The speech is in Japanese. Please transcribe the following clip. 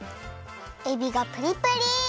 えびがプリプリ！